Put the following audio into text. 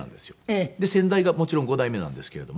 で先代がもちろん五代目なんですけれども。